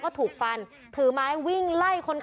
เพราะถูกทำร้ายเหมือนการบาดเจ็บเนื้อตัวมีแผลถลอก